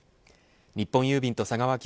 日本郵便と佐川